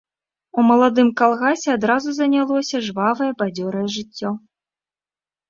У маладым калгасе адразу занялося жвавае, бадзёрае жыццё.